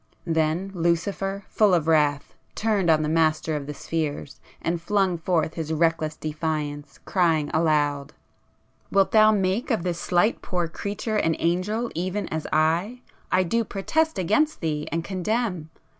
Then Lucifer, full of wrath, turned on the Master of the Spheres, and flung forth his reckless [p 64] defiance, crying aloud—'Wilt thou make of this slight poor creature an Angel even as I? I do protest against thee and condemn!